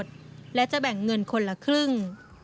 จากน้ำยางสดและจะแบ่งเงินคนละครึ่ง